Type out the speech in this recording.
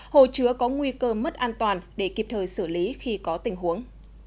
hồ chứa có nguy cơ mất an toàn để kịp thời xử lý khi có tình huống